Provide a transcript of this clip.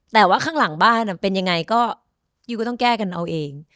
แต่ว่าข้างหลังบ้านเป็นยังไงก็ยูก็ต้องแก้กันเอาเอง